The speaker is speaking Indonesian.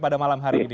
pada malam hari ini